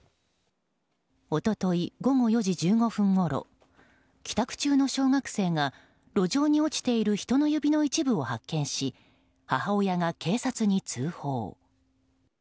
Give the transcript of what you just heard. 一昨日、午後４時１５分ごろ帰宅中の小学生が路上に落ちている人の指の一部を発見し母親が警察に通報。